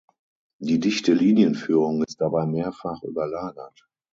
Die dichte Linienführung ist dabei mehrfach überlagert.